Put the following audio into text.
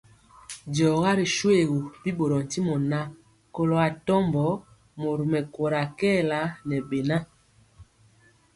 Diɔga ri shoégu, bi ɓorɔɔ ntimɔ ŋan, kɔlo atɔmbɔ mori mɛkóra kɛɛla ŋɛ beŋa.